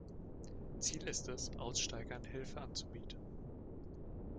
Ziel ist es, Aussteigern Hilfe anzubieten.